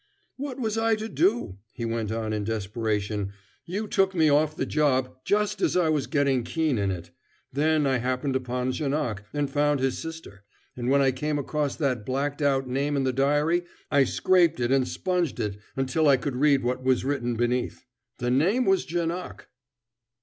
"What was I to do?" he went on in desperation. "You took me off the job just as I was getting keen in it. Then I happened upon Janoc, and found his sister, and when I came across that blacked out name in the diary I scraped it and sponged it until I could read what was written beneath. The name was Janoc!"